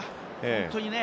本当にね。